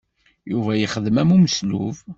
Yuba yexdem am umeslub.